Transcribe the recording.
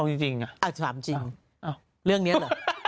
ทุกคนวาดหลอนอยากจะหลอนจะไม่ต่อ